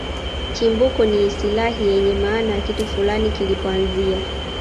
Chimbuko ni istilahi yenye maana ya kitu fulani kilipoanzia